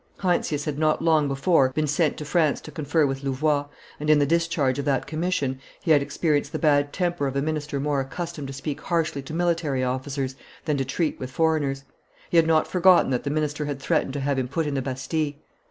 Heinsius had not long before been sent to France to confer with Louvois, and, in the discharge of that commission, he had experienced the bad temper of a minister more accustomed to speak harshly to military officers than to treat with foreigners; he had not forgotten that the minister had threatened to have him put in the Bastille.